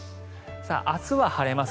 明日は晴れます。